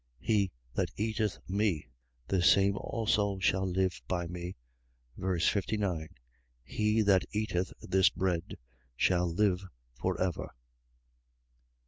He that eateth me, the same also shall live by me. Ver. 59. He that eateth this bread, shall liver for ever.